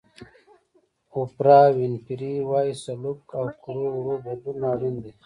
اوپرا وینفري وایي سلوک او کړو وړو بدلون اړین دی.